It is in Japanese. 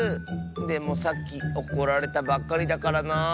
でもさっきおこられたばっかりだからなあ。